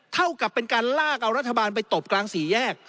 เท่ากับเป็นการลากเอารัฐบาลไปตบกลางสี่แยก